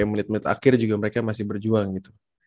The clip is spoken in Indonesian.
menit menit akhir juga mereka masih berjuang gitu